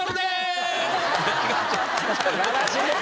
素晴らしいです。